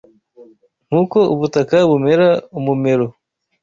Nk’uko ubutaka bumera umumero